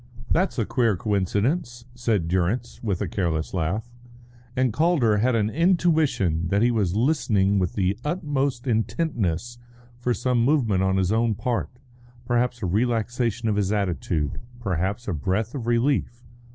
"That's a queer coincidence," said Durrance, with a careless laugh; and Calder had an intuition that he was listening with the utmost intentness for some movement on his own part, perhaps a relaxation of his attitude, perhaps a breath of relief.